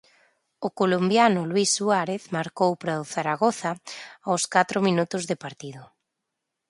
O colombiano Luís Suárez marcou para o Zaragoza aos catro minutos de partido.